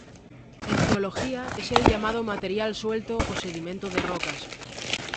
En geología, es el llamado material suelto o sedimento de rocas.